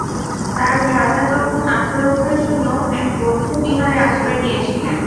তাঁর ভ্রাতা তখন আত্মরক্ষার জন্য এক বৌদ্ধ বিহারে আশ্রয় নিয়েছিলেন।